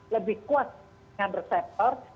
lebih kuat dengan reseptor